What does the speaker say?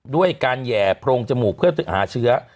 ด้วยการแห่โพรงจมูกเพื่อหาเชื้อ